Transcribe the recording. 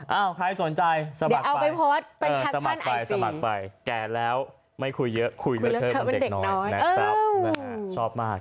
เอ้าใครสนใจสมัครไปสมัครไปแก่แล้วไม่คุยเยอะคุยเรื่องเธอเป็นเด็กน้อยแน็ตเติ๊ปชอบมาก